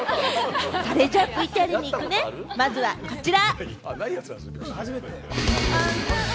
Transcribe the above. それじゃあＶＴＲ行くね、まずはこちら。